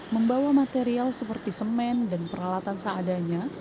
membawa material seperti semen dan peralatan seadanya